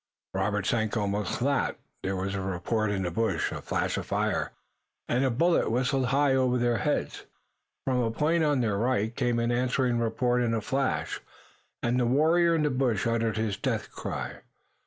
Robert sank almost flat. There was a report in the bush, a flash of fire, and a bullet whistled high over their heads. From a point on their right came an answering report and flash, and the warrior in the bush uttered his death cry.